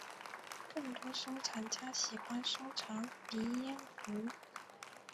更多收藏家喜欢收藏鼻烟壶。